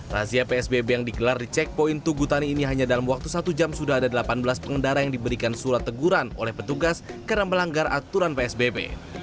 razia psbb yang digelar di checkpoint tugutani ini hanya dalam waktu satu jam sudah ada delapan belas pengendara yang diberikan surat teguran oleh petugas karena melanggar aturan psbb